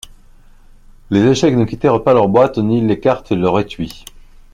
Les échecs ne quittèrent pas leur boîte, ni les cartes leur étui.